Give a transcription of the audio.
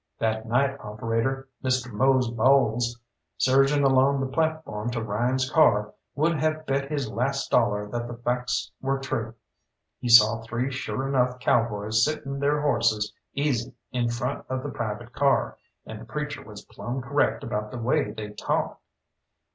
That night operator, Mr. Mose Bowles, surging along the platform to Ryan's car, would have bet his last dollar that the facts were true. He saw three sure enough cowboys sitting their horses easy in front of the private car, and the preacher was plumb correct about the way they talked.